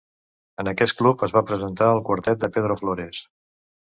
En aquest club es va presentar el quartet de Pedro Flores.